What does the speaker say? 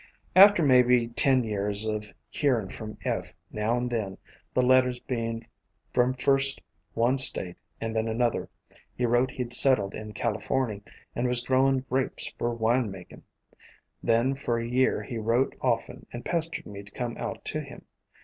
"After maybe ten years of hearin' from Eph now and then, the letters bein' from first one state and then another, he wrote he 'd settled in Calif orny and was growin' grapes for wine makin'. Then for a year he wrote often and pestered me to come out to him.